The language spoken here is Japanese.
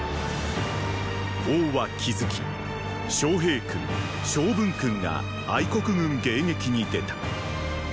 王は気付き昌平君昌文君が国軍迎撃に出た。